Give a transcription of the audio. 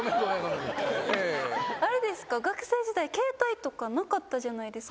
あれですか、学生時代、携帯とかなかったじゃないですか、